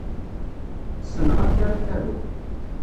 Ssneɣ amek ara t-aruɣ.